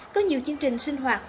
có nhiều chương trình sinh hoạt